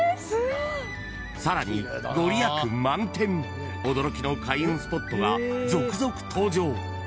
更にご利益満点驚きの開運スポットが続々登場。